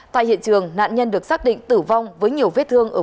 tại hiện trường nạn nhân được xác định tử vong với nhiều vết thương ở